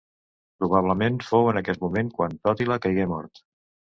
Probablement fou en aquest moment quan Tòtila caigué mort.